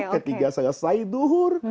ketika selesai duhur